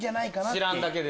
知らんだけで。